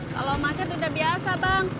kalau macet udah biasa bang